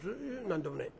「何でもねえ。